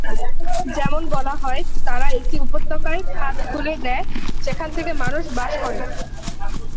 যেমন বলা হয়, তারা একটি উপত্যকায় খাদ খুলে দেয় যেখান থেকে মানুষ বাস করে।